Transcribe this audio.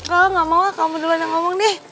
enggak enggak mau lah kamu duluan yang ngomong deh